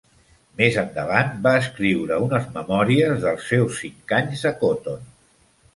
Més endavant va escriure unes memòries dels seus cinc anys a Cotton.